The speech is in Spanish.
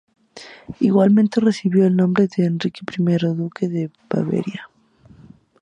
Igualmente recibió el nombre de Enrique I duque de Baviera.